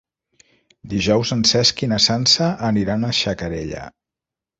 Dijous en Cesc i na Sança aniran a Xacarella.